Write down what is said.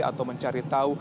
atau mencari tahu